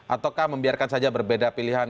ataukah membiarkan saja berbeda pilihan